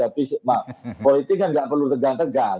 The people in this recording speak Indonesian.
tapi politik kan nggak perlu tegang tegang